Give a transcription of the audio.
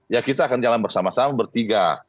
ya kita akan jalan bersama sama bertiga